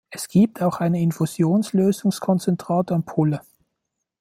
Es gibt auch eine Infusionslösungskonzentrat-Ampulle.